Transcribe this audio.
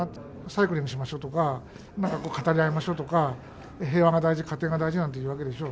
サイクリングしましょうとか、語り合いましょうとか、平和が大事、家庭が大事なんていうわけでしょ。